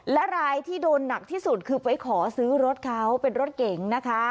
และรายที่โดนหนักที่สุดคือไปขอซื้อรถเขาเป็นรถเก๋งนะคะ